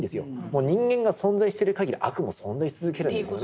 もう人間が存在してる限り悪も存在し続けるんですよね。